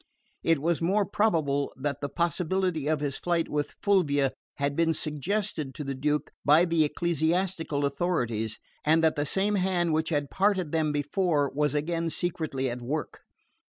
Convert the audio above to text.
It was more probable that the possibility of his flight with Fulvia had been suggested to the Duke by the ecclesiastical authorities, and that the same hand which had parted them before was again secretly at work.